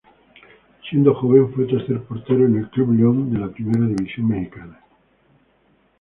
Siendo joven fue tercer portero en el Club León de la Primera División Mexicana.